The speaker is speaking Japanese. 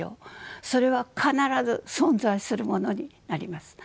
それは必ず存在するものになります。